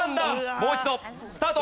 もう一度スタート！